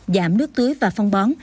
giảm nước tưới và phân bón